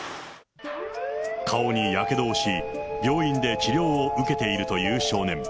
顔にやけどをし、病院で治療を受けているという少年。